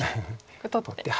これ取って。